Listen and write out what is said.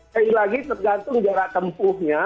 sekali lagi tergantung jarak tempuhnya